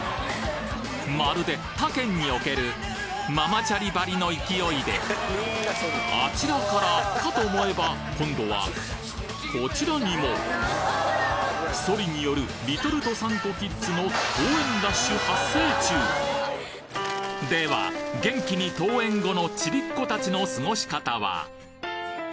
まるで他県におけるママチャリばりの勢いであちらからかと思えば今度はこちらにもソリによるリトル道産子キッズの登園ラッシュ発生中では元気に登園後のちびっ子たちの過ごし方は？